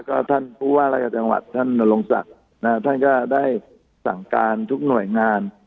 ก็ท่านผู้ว่าราชการจังหวัดท่านนรงศักดิ์ท่านก็ได้สั่งการทุกหน่วยงาน